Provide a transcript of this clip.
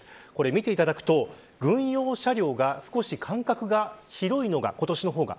見ていただくと、軍用車両が少し間隔が広いのが今年の方が。